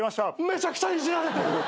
めちゃくちゃいじられてる。